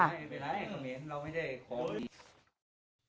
ไม่เป็นไรครับเมนเราไม่ได้ขอ